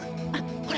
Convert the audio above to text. ほら！